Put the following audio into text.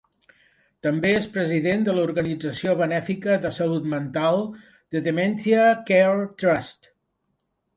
També és president de l'organització benèfica de salut mental The Dementia Care Trust.